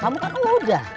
kamu kan udah